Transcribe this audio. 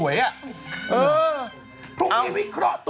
วันที่หน่อยยา